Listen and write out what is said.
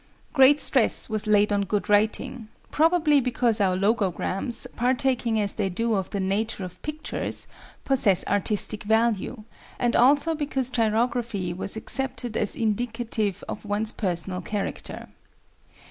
Great stress was laid on good writing, probably because our logograms, partaking as they do of the nature of pictures, possess artistic value, and also because chirography was accepted as indicative of one's personal character.